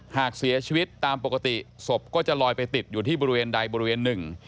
หากเสียชีวิตตามปกติศพก็จะลอยไปติดอยู่ที่บริเวณใดบริเวณหนึ่ง